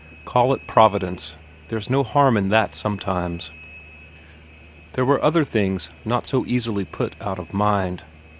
Call it providence; there's no harm in that sometimes. There were other things not so easily put out of mind.